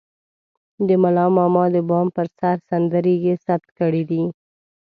د ملا ماما د بام پر سر سندرې يې ثبت کړې دي.